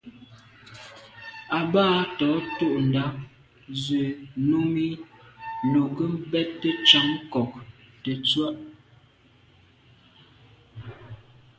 Àbâ tɔ̌ tûɁndá zə̄ Númí lù ngə́ bɛ́tə́ càŋ ŋkɔ̀k tə̀tswə́.